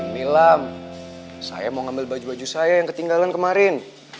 nilam saya mau ngambil baju baju saya yang ketinggalan kemarin